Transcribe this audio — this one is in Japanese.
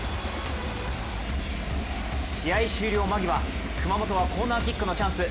試合終了間際、熊本はコーナーキックのチャンス。